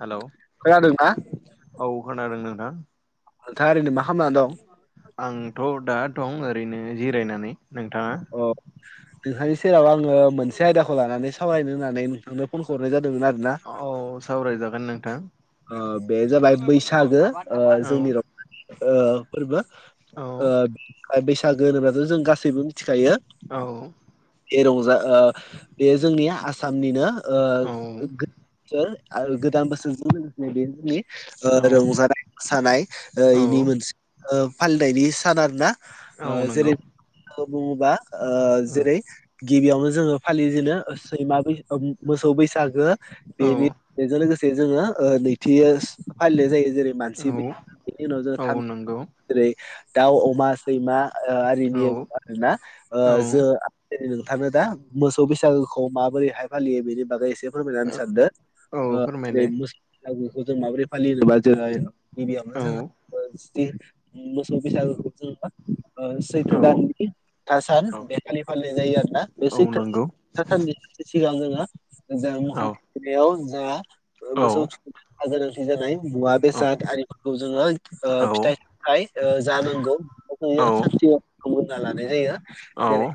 Hello खोनादोंना औ खोनादों नोंथां। नोंथाङा ओरैनो मा खालामना दं? आंथ' दा दं ओरैनो जिरायनानै नोंथाङा? अ नोंथांनि सेराव आङो मोनसे आयदाखौ लानानै सावरायनो होननानै नोंथांनो फन हरनाय जादों। औ सावरायजागोन नोंथां। अ बे जाबाय बैसागो ओ जोंनि औ रंजालि फोरबो औ ओ ओ बैसागो होनोबाथ' जों गासैबो मिथिखायो। औ रंजा ओ बेयो जोंनि आसामनिनो ओ औ आरो गोदान बोसोरजों लोगोसे बे जोंनि ओ रंजानाय मोसानाय औ बेनि मोनसे फालिनायनि सान आरो ना। औ नंगौ। बुङोबा ओ जेरै औ गिबियावनो जोङो फालिजेनो सैमा मोसौ बैसागो बेनि बेजों लोगोसे जोङो ओ नैथि फालिनाय जायो। जेरै मानसिबो औ बेनि उनाव जो औ नंगौ जेरै दाउ अमा सैमा आरिनि औ आरोना औ जों नोंथांनो [unintelligible] सब्बिस आगष्टखौ माबोरैहाय फालियो बेनि बागै एसे फोरमायनानै औ सानदों ओ फोरमायलाय [unintelligible] बेखौ जों माबोरै फालियो होनबा जोङो गिबियावनो औ जोङो [unintelligible] मोसौ बैसागो [unintelligible] सैथो औ दाननि थासान औ बे खालि फालिनाय जायो आरो ना बे औ सैथो नंगौ [unintelligible] सानसे सिगां जोङो [unintelligible] औ औ मुवा औ बेसाद आरिफोरखौ जोङो औ फिथाइ सामथाय ओ जानांगौ [unintelligible] ना लानाय जायो औ जेरै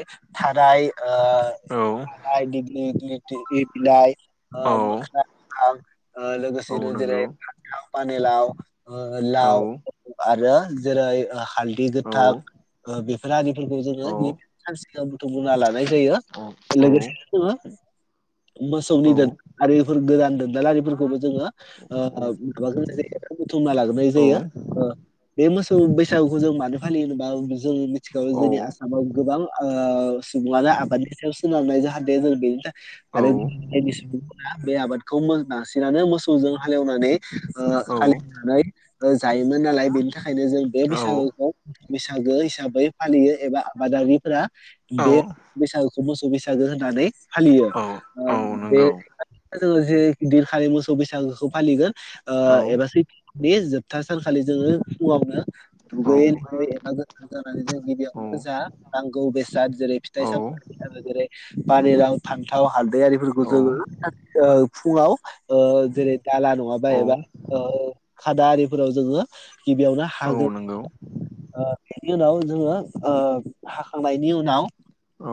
[unintelligible] थाराय औ आ दिललि बिलाइ ओ औ मोखोना औ लोगोसेनो जेरै नंगौ पान लाव औ लाव आरो जेरै हालदै औ गोथां बेफोर फोरखौ जोङो औ सानयाव बुथुमबा लानाय जायो औ लोगोसे जोङो मोसौनि औ औ दारिफोर गोदान दोनदालारिफोरखौबो जोङो औ ओ बुुथुमना लाग्रोनाय जायो बे मोसौ बैसागु जों मानो फालियोबा आथिखाव जोंनि आसामाव गोबां सुबुङानो ओ आबादनि सायाव सोनारनाय जाहाथे जों बेनि थाखाय औ आरो जों बायदि सुबुंफोरा बे आबादखौ बांसिनानो मोसौजों हालेवनानै फालिवनानै जायोमोन नालाय बेनि थाखायनो जों बे बैसागुखौ बैसागो हिसाबै फालियो एबा आबादारिफोरा औ बे बैसागोखौ मोसौ बैसागो होननानै फालियो बे नंगौ जोो जे गिदिरखालि मोसौ बैसागोखौ फालिगोन ओ औ एबा सैथोनि सथा सानखालि जोङो फुङावनो औ दुगैयै लुगै एबा गोथार जानानै जों गिबियावनो जा नांगौ बेसाद जेरै औ फिथाइ सामथाइ आरो जेरै बारिेराव फान्थाव हालदैआरिफोरखौ जोङो ओ फुङाव ओ जेरै दाला नङाबा औ एबा खादा आरिफोराव जोङो गिबियावनो औ नंगौ औ हागोन नंगौ बिनि उनाव जोङो हाखांनायनि उनाव औ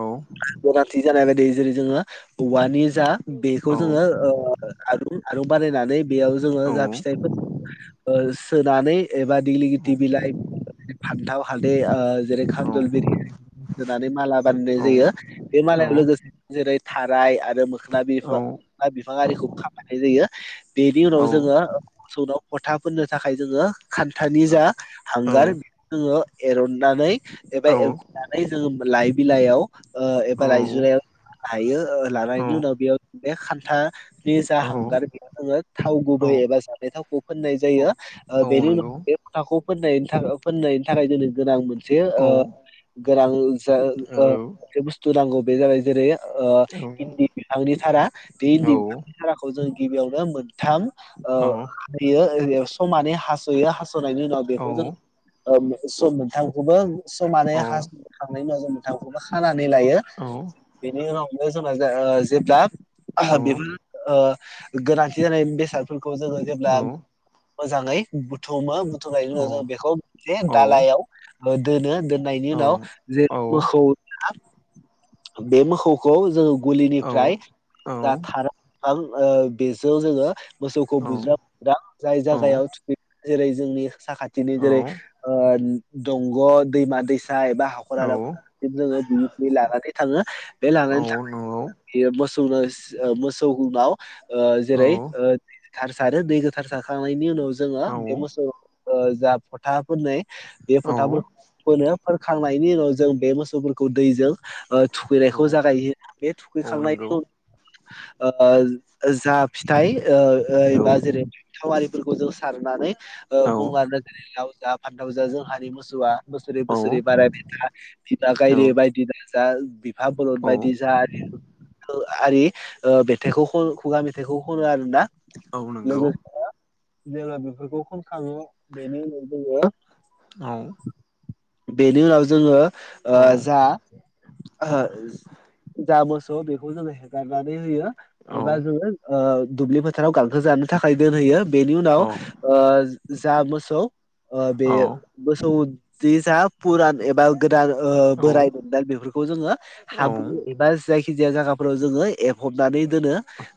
गोनांथि जानाय बायदि जेरै जोङो औवानि जा औ बेखौ जोङो आलु बानायनानै बेयाव जोङो औ जा औ फिथाइफोर ओ सोनानै एबा देगलि लिटि बिलइ फान्थाव हालदै ओ जेरै खामजल बिरिया होनानै माला बानायनाय जायो औ बे मालायाव लोगोसे जेरै थाराय आरो मो ना बिफां ना बिफां आरिखौ खामफायनाय जायो बेनि उनाव जोङो मोसौनाव फथा फोननो थाखाय जोङो खान्थानि जा हांगार बेखौ जोङो एरननानै एबा एखनानै जोंङ लाइ बिलाइयाव ओ एबा लाइजायाव हायो लानायनि उनाव बेयाव बे खान्था नि जा हांगार बेयाव जोङो थाव गुबै एबा जानाय थावखौ फोननाय जायो बेनि उनाव बे फथाखौ फोननायनि थाखाय फोननायनि थाखाय जोंङा मोनसे गोनां ओ मोनसे गोनां बथ नांगौ बे जाबाय जेरै ओ इन्दि बिफांनि सारा बे इन्दि बिफांनि थाराखौ जों गिबियावनो मोनथाम ओ हासयो समानै हास'यो हास [unintelligible] नायनि उनाव बेखौ जों ओ स थामखौबो समानै हासखांनायनि उनाव जों मोन्थामखौबो खानानै लायो। बेनि उनावनो जोंना ओ जेब्ला आहा बेबो ओ गोनांथि जानाय बेसादफोरखौ जोङो औ जेब्ला मोजाङै बुथुमो थुमनायनि औ उनाव जों बेखौ ए औ दालायाव ओ दोनो दोन नायनि उनाव जे मोखौ बे मोखौखौ जोङो गलिनिफ्राय दा थारा आं ओ बेजों जोङो मोसौखौ बुज्रा बुज्रा जाय औ जागायाव थुखै जेरै जोंनि साखाथिनि जेरै ओ दंग' दैमा दैसा एबा हाखरला जोङो बुयै बुयै लानानै थाङो। बे लानानै थांनाय [inaudible] मोसौनोस ओ मोसौनाव ओ जेरै ओ थार सारो दै गोथार सारखांनायनि उनाव जोङो बे मोसौ ओ जा फथा फोन्नै बे फोथा फोरखौ फोनो। फोनखांनायनि उनाव जों बे मोसौफोरखौ दैजों ओ थुखैनायखौ औ जागायो बे थुखै औ खांनायनि नंगौ ओ जा फिथाइ ओ ओ एबा औ जेरै थाविफोरखौ जों सार होननानै ओ औ बुंलाङो जेरै लाव जा फान्थाव जा जोंहानि मोसौआ बोसोरै बोसोरै औ बारायबाय था। बिमा गायदे बायदि दा जा बि फा बलद औ बायदि जा आरि ओ मेथाइखौ ख' खुगा मेथाइखौ खनो आरोना। औ नोंगौ। जोङो बेफोरखौ खनखाङो। बेनि उनाव जङो औ बेनि उनाव जोङो ओ औ जा ओहो जा मोसौ बेखौ जोङो हेगारनानै होयो। औ एबा जोङो ओ दुब्लि फोथाराव गांसो जानो थाखाय दोनहोयो। बेनि उनाव औ ओ जा मोसौ ओ बे औ मोसौ जे जा फुरान एबा गोदान ओ औ बोरायमोन दा बेफोरखौ जोङो औ हाब्रु एबा जायखि जाया जागाफोराव जोङो एबफबनानै दोनो।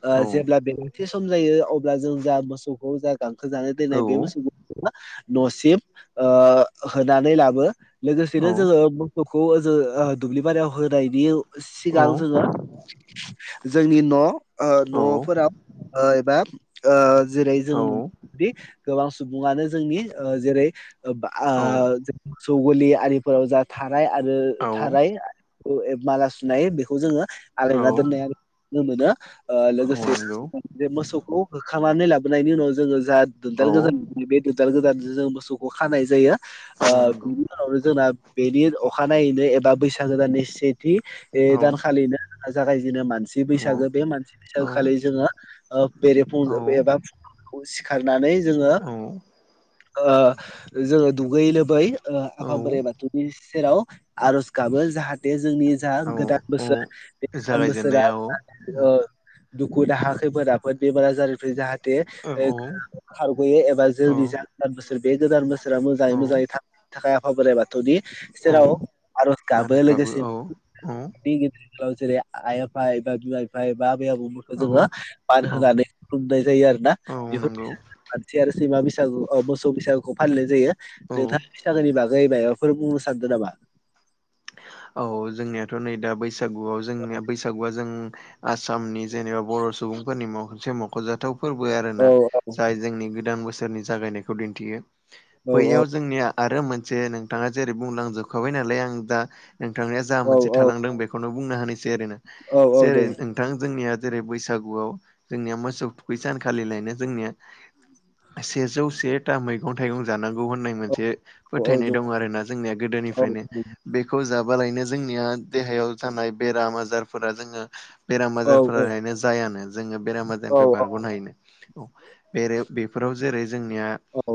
ओ जेब्ला [unintelligible] सम जायो अब्ला जों जा मोसौखौ जा गांखो जानो दोननाय बे मोसौ [inaudible] न'सिम ओ होनानै लाबो। लोगोसेनो जोङो मो खौ जो ओ दुब्लि बारियाव होनायनि सिगां जोङो जोंनि न' ओ न'फोराव ओ एबा ओ जेरै जोङो नुनो मोनोदि गोबां सुबुङानो जोंनि ओ जेरै ओ बा आ जो मोसौ गलि आरिफोराव जा थाराय आरो थाराय औ औ ए माला सुनाय बेखौ जोङो आलायना दोननाय आरो नुनो मोनो। ओ लोगोसे नंगौ औ बे मोसौखौ होखांनानै लाबोनायनि उनाव जोङो जा दोनदाल गोदान नैबे दोन्दाल गोदानजो जों मोसौखौ खानाय जायो। औ ओ नंगौ बिनि उनावनो जोंना बेनि अखानायैनो एबा बैसागो दाननि सेथि ओ दानखालिनो जोंना जागाय बिदिनो मानसि औ बैसागो बे मानसि औ बैसागो खालि जोङो ओ बेरेफुंज एबा फुं खौ सिखारनानै जोङो औ ओ जोङो दुगैयै लोबै ओ औ आफा बोराइ बाथौनि सेराव आर'ज गाबो जाहाथे जोंनि जा औ गोदान औ बोसोर बे गोदान बोसोरा [inaudible] जागायजेननाया औ दुखु दाहा खैफोद आफोद बेमारा आजारनिफ्राय जाहा थे औ ओ खारग'यो एबा औ जोंनि जा गोदान बोसोर बे गोदान बोस सोरा मोजाङै औ मोजाङै थांनायनि थाखाय आफा बोराइ बाथौनि औ सेराव आरो गाबो आरज लोगोसे औ औ [inaudible] ओ जेरै आइ आफा एबा बिमा बिफा एबा आबै आबौ मोनखौ औ जोङो मान औ होनानै खुलुमनाय जायो आरोना। औ बेफोर नंगौ खान्थि आरो सैमा बैसागु मोसौ बैसागुखौ फालिनाय जायो औ नोथा बैसागोनि बागै मायाबा फोर बुंनो सान्दों नामा? औ जोंनियाथ' नै दा बैसागुआव जोंनिया बैसागुआ जों आसामनि जेनेबा बर' सुबुंफोरनि मसे मख'जाथाव फोरबो औ आरोना जाय जोंनि गोदान बोसोरनि जागायनायखौ दिन्थियो औ औ बैयाव जोंनिया आरो मोनसे नोंथाङा जेरै बुंलांजोबखाबाय नालाय आं दा नोंथांनिा जा औ मोनसे औ थालांदों बेखौनो बुंनो हानायसै आरोोना औ औ जेरै दे नोंथां जोंनिया जेरै बैसागुआव जोंनिया मोसौ थुखै सानखालि लायनाय जोंनिया सेजौ से था मैगं थाइगं जानांगौ ौ होननाय मोनसे औ औ फोथायनाय दे दं आरोना जोंनिया औ गोदोनिफ्रायनो खौ जाबालायनो जोंनिया देहायाव थानाय बेराम आजारफोरा जोङो बेराम औ आजारफोरनो जायानो जोङो बेराम औ आजारनिफ्राय बारग'नो हायो बेरे बेफोराव जेरै जोंनिया औ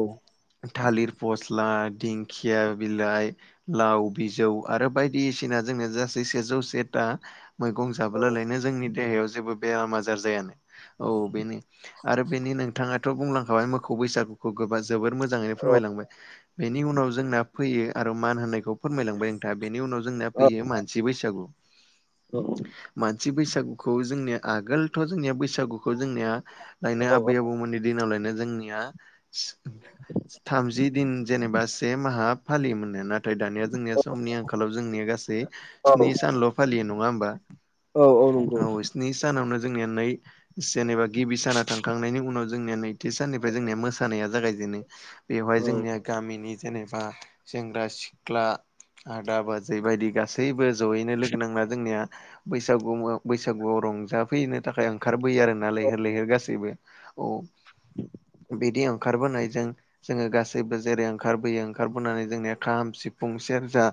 थालिर फसला दिंखिया बिलाइ लाव बिौ आरो बायदिसिना जोंनो गासै सेजौ सेथा मैगं जाबोलालायनो जोंनि देहायाव जेबो बेराम आजार जायानो औ बेनो आरो बेनि नोंथाङाथ' बुंलांखाबाय मोखौ बैसागुखौ गोबा जोबोर मोजाङैनो औ फोरमायलांबाय बेनि उनाव जोंना फैयो आरो मान होननायखौ फोरमायलांबाय नोंथाङ बेनि उनाव जोंनाया फैयो मानसि बैसागु। थि बैसागुखौ जोंनिया आगोलथ' जोंनिया बैसागुखौ जोंनिया लायनो आबै आबौ मोननि दिनावलायनो जोंनिया थामजि दिन जेनेबा से माहा फालियोमोन न नाथाय दानिया जोंनिया समनि आंखालाव जोंनिया गासै औ स्नि सानल' फालियो। नङा होनब्ला औ औ नंगौ औ स्नि सानावनो जोंनिया नै जेनेबा गिबि साना थांखांनायनि उनाव जोंनिया नैथि साननिफ्राय जोंनिया मोसानाया जागाय बिदिनो बेवहाय औ जोंनिया गामिनि जेनेबा सेंग्रा सिख्ला आदा बाजै बायदि गासैबो जयैनो लोगो नांला जोंनिया बैसागु बैसागुआव रंजाफैनो थाखाय ओंखारबोयो आरोोना लैहोर लैहोर गासैबो औ बिदि ओंखारबोनायजों जोङो गासैबो जेरै ओंखारबोयो ओंखारबोनानै जोंनि खाम सिफुं सेरजा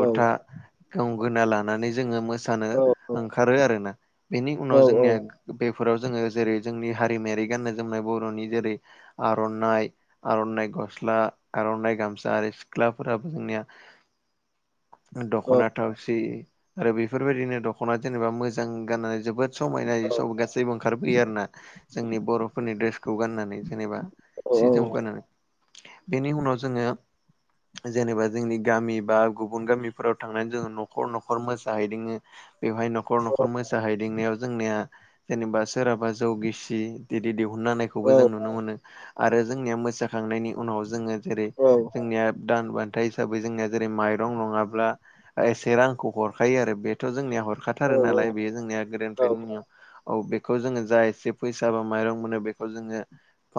औ गंगोना लानानै जोङो मो मोसानो औ ओंखारो आरोना बेनि औ उनाव औ जोंनिया बे फोराव जोङो जेरै जोंनि हारिमायारि गान्नाय जोमनाय बर'नि जेरै आर'नाइ आर'नाइ गस्ला आर'नाइ गामसा आरो सिख्लाफोराबो जोंनिया औ दख'ना थावसि आरो बेफोरबायदिनो दख'ना जेनेबा मोजां गाननानै जोबोद समायनाय सम गासैबो ओंखारबोैयो आरोना जोंनि बर'फोरनि ड्रेसखौ गाननानै जेनेबा सि जोम गारनानै बेनि उनाव जोङो जेनेबा जोंनि गामि बा गुबुन गामिफोराव थांनानै जोङो न'खर न'खर मोसाहैदोंङो। बेवहाय न'खर न'खर मोसाहैदिंनायाव जोंनिया जेनेबा सोरहाबा जौ गिसि दिनैनि दिहुनानायखौबो जों नुनो मोनो आरो जोंनिया मोसाखांनायनि उनाव जोङो जेरै जोंनिया दान बा ह हाबै जोंनिया जेरै माइरं नङाब्ला ओ एसे रांखौ हरखायो आरो बेथ' जोंनि हर औ खुरखाथारो नालाय बेयो जोंनिया औ गोदोनिफ्रायनो नुङा औ बेखौ जोङो जा एसे फैसा बा माइरं मोनो बे जोङो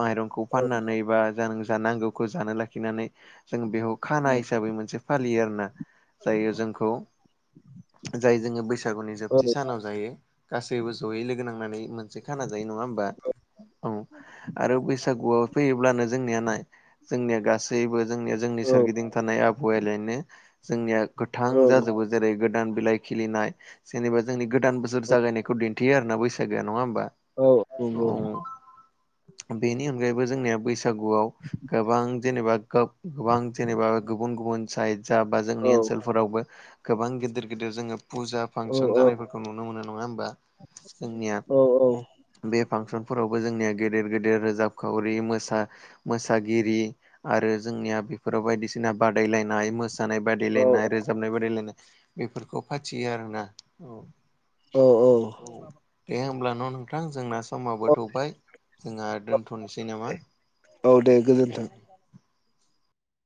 माइरंखौ औ फाननानै बा ज नांगौखौ जानो लाखिनानै जों बेखौ खाना हिसाबै मोनसे फालियो आर ना जायो जोंखौ जाय जोङो बैसागुनि औ जोबथि सानाव जायो गासैबो जयै लोगो नांनानै मोनसे खाना जायो। ङा हबा औ आरो बैसागुआव फैयोब्लानो जोंनिया नाय जोंनिया गासैबो जोंनिया जोंनि औ सोरगिदिं थानाय आबहावलायनो जोंनिया गोथां औ जाजोबो जेरै गोदान बिलाइ खिलिनाय जेनेबा जोंनि गोदान बोसोर जागायनायखौ ने थि आर होनना बैसागोआ नङा होमबा? औ औ औ बेनि अनगायैबो जोंनिया बैसागुआव गोबां जेनेबा गोबां जेनेबा गुबुन गुबुन साइड जा बा औ जोंनि ओनसोलफोरावबो गोबां गिदिर गिदिर जोङो फुजा औ फांसन जानायफोरखौ नुनो मोनो नङा होमबा जोंनिया औ बे फांसनफोरावबो जोंनिया गेदेर गेदेर रोजाबखावरि मोसागिरि आरो जोंनिया बे फोराव बायदिसिना बादायलायनाय मोसानाय औ बादायलायनाय रोजाबनाय बादायलायनाय बेफोरखौ फाथियो आरोना औ औ दे होमब्ला न' नोंथां जोंना समाव औ बोथौबाय जोंहा दोनथ'नोसै नामा? दे औ दे गोजोन्थों।